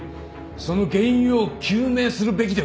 その原因を究明するべきでは？